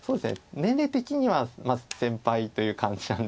年齢的には先輩という感じなんですけれども。